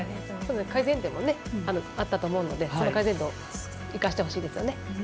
改善点もあったと思うのでそれを生かしてほしいですね。